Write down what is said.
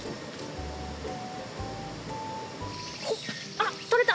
あっとれた！